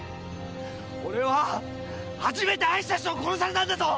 俺は初めて愛した人を殺されたんだぞ！！